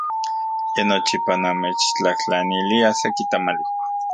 Ye nochipa namechtlajtlanilia seki tamali.